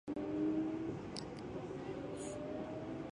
国縫駅